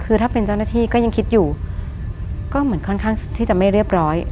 คือถ้าเป็นเจ้าหน้าที่ก็ยังคิดอยู่ก็เหมือนค่อนข้างที่จะไม่เรียบร้อย